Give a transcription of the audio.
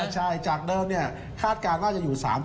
ใช่จากเดิมคาดการณ์ว่าจะอยู่๓๐